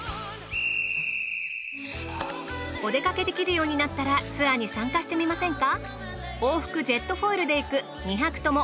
お出かけできるようになったらツアーに参加してみませんか？